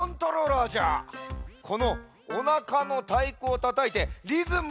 このおなかのたいこをたたいてリズムをにゅうりょくすると。